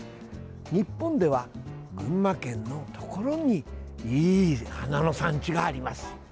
日本では、群馬県のところにいい花の産地があります。